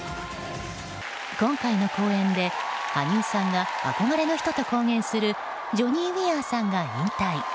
今回の公演で、羽生さんが憧れの人と公言するジョニー・ウィアーさんが引退。